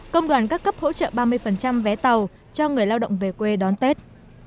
công đoàn các cấp hỗ trợ ba mươi vé tàu cho người lao động về quê đón tết